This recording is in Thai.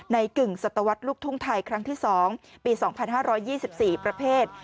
กึ่งศัตวรรษลูกทุ่งไทยครั้งที่๒ปี๒๕๒๔ประเภท